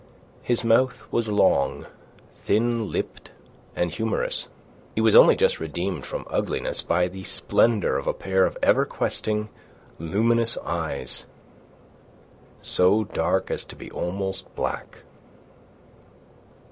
His mouth was long, thin lipped, and humorous. He was only just redeemed from ugliness by the splendour of a pair of ever questing, luminous eyes, so dark as to be almost black.